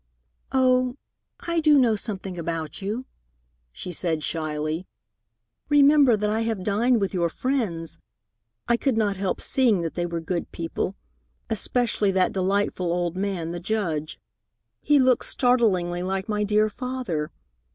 "Oh, I do know something about you," she said shyly. "Remember that I have dined with your friends. I could not help seeing that they were good people, especially that delightful old man, the Judge. He looked startlingly like my dear father.